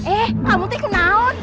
eh pak muti kenal